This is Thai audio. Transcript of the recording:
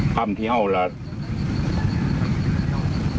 คำที่เอาแล้ว